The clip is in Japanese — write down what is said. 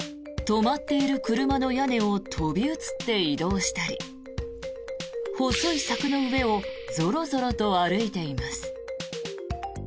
止まっている車の屋根を飛び移って移動したり細い柵の上をぞろぞろと歩いています。